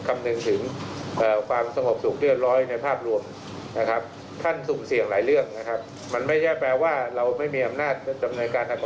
มีใบอนุญาตก็ดีการแปรรูปก็ดีหรือการปราฝืนประกาศต่างก็ดี